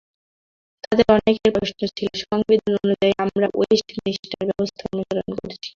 তাদের অনেকের প্রশ্ন ছিল, সংবিধান অনুযায়ী আমরা ওয়েস্টমিনস্টার ব্যবস্থা অনুসরণ করছি।